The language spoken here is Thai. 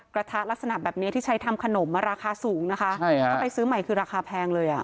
กระทะลักษณะแบบนี้ที่ใช้ทำขนมมาราคาสูงนะคะถ้าไปซื้อใหม่คือราคาแพงเลยอ่ะ